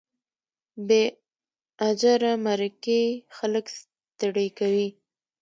بې اجره مرکې خلک ستړي کوي.